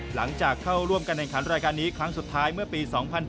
หลังจากเข้าร่วมการแข่งขันรายการนี้ครั้งสุดท้ายเมื่อปี๒๐๑๘